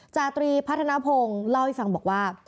จาตรีพัฒนภงเล่าให้ฟังบอกว่า